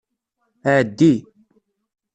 Ɛeddi.